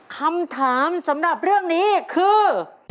คำถามสำหรับเรื่องนี้คือ